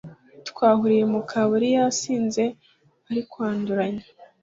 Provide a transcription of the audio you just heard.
Twahuriye mukabari yasinze arikwanduranya